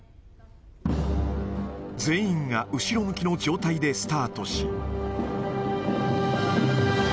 全員が後ろ向きの状態でスタートし。